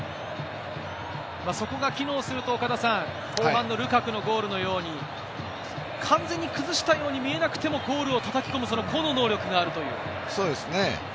そこが機能すると、後半のルカクのゴールのように完全に崩したように見えなくても、ゴールを叩き込む個の能力がある。